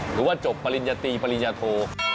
หรือว่าจบปริญญาตรีปริญญาโท